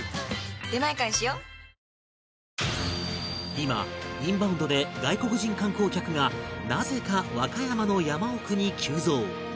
今インバウンドで外国人観光客がなぜか和歌山の山奥に急増